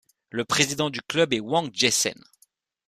Le président du club est Wang Jiesen.